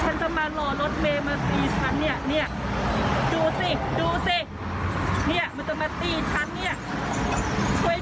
ฉันจะมารอรถเมย์มาตีฉันนี่